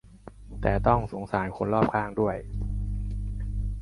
แต่ต้องสงสารคนรอบข้างด้วย